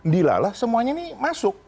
dahlah semuanya ini masuk